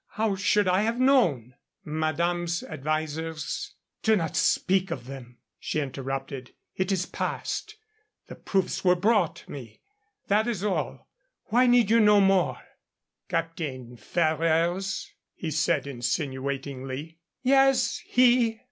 How should I have known?" "Madame's advisers " "Do not speak of them," she interrupted. "It is past. The proofs were brought me. That is all. Why need you know more?" "Captain Ferrers?" he said, insinuatingly. "Yes, he!"